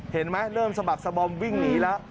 เห็นไหมเริ่มสมัครสบองวิ่งหนีละ